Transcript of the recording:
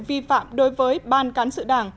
vi phạm đối với ban cán sự đảng